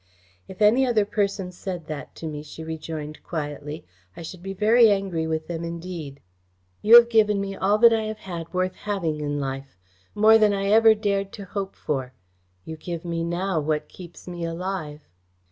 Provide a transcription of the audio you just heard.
"If any other person said that to me," she rejoined quietly, "I should be very angry with them indeed. You have given me all that I have had worth having in life more than I ever dared to hope for. You give me now what keeps me alive."